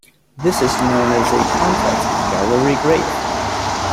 This is known as a "complex gallery grave".